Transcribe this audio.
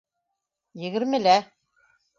Егермелә.